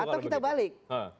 atau kita balik